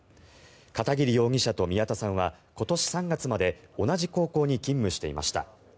片桐容疑者と宮田さんは今年３月まで同じ高校に勤務していました。